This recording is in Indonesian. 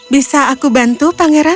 bisa aku bantu pangeran